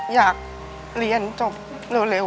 อยากเรียนจบเร็ว